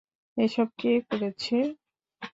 এসব কে করেছে?